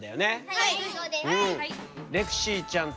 はい。